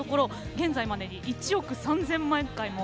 現在までに１億３，０００万回も。